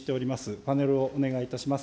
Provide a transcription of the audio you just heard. パネルをお願いいたします。